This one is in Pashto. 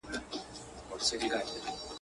له ورک یوسفه تعبیرونه غوښتل.